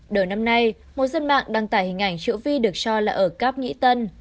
đầu năm nay một dân mạng đăng tải hình ảnh chữ vi được cho là ở cáp nhĩ tân